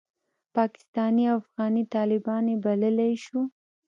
پاکستاني او افغاني طالبان یې بللای شو.